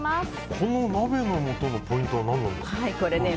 この鍋のもとのポイントは何ですか。